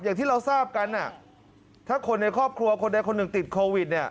อย่างที่เราทราบกันถ้าคนในครอบครัวคนใดคนหนึ่งติดโควิดเนี่ย